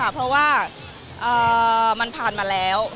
เพราะว่ามันผ่านมาแล้ว